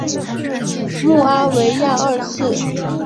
穆阿维亚二世。